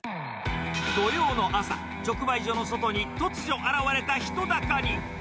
土曜の朝、直売所の外に突如現れた人だかり。